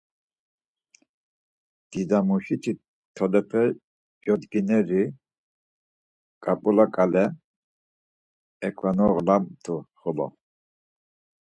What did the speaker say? Didamuşiti tolepe codgineri, ǩap̌ula ǩale eǩvonağlamt̆u xolo.